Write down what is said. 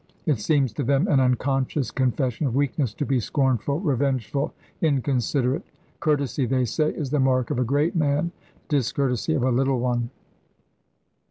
It seems to them an unconscious confession of weakness to be scornful, revengeful, inconsiderate. Courtesy, they say, is the mark of a great man, discourtesy of a little one.